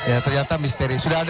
ya ternyata misteri